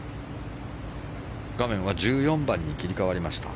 画面は１４番に切り替わりました。